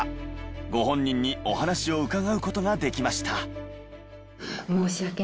ご本人にお話を伺う事ができました。